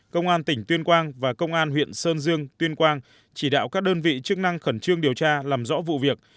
công an tỉnh tuyên quang và công an huyện sơn dương tuyên quang chỉ đạo các đơn vị chức năng khẩn trương điều tra làm rõ vụ việc